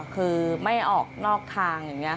คือไม่ออกนอกทางอย่างนี้